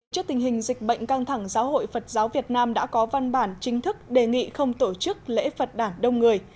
trước tình hình dịch bệnh căng thẳng giáo hội phật giáo việt nam đã có văn bản chính thức đề nghị không tổ chức lễ phật đảng đông người